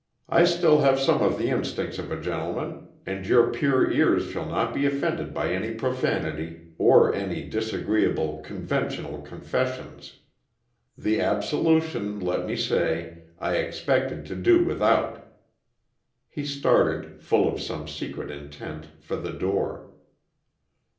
I still have some of the instincts of a gentleman, and your pure ears shall not be offended by any profanity or any disagreeable 'conventional confessions.' The absolution, let me say, I expected to do without." He started, full of some secret intent, for the door.